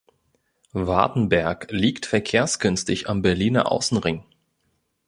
Wartenberg liegt verkehrsgünstig am Berliner Außenring.